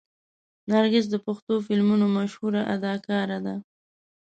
نرګس د پښتو فلمونو مشهوره اداکاره ده.